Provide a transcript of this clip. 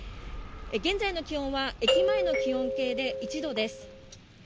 現在の気温は駅前の気温計で１度です。